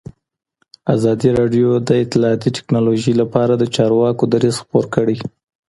ازادي راډیو د اطلاعاتی تکنالوژي لپاره د چارواکو دریځ خپور کړی.